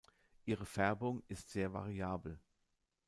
Ihre Färbung ist sehr variabel.